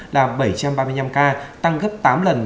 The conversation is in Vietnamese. là bảy trăm ba mươi năm ca tăng gấp tám lần